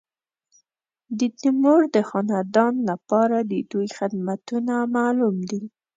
د تیمور د خاندان لپاره د دوی خدمتونه معلوم دي.